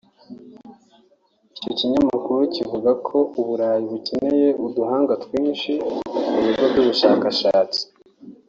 Icyo kinyamakuru kivuga ko u Burayi bukeneye uduhanga twinshi mu bigo by’ubushakashatsi